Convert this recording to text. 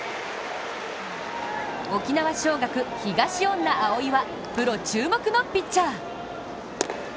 沖縄尚学・東恩納蒼はプロ注目のピッチャー。